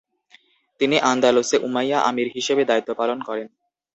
তিনি আন্দালুসে উমাইয়া আমির হিসেবে দায়িত্বপালন করেন।